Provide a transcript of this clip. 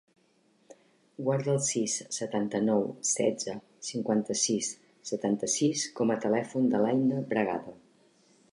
Guarda el sis, setanta-nou, setze, cinquanta-sis, setanta-sis com a telèfon de l'Aïna Bragado.